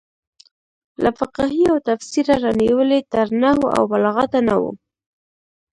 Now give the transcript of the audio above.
له فقهې او تفسیره رانیولې تر نحو او بلاغته نه وو.